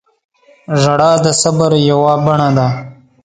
• ژړا د صبر یوه بڼه ده.